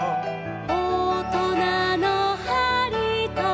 「おとなのはりと」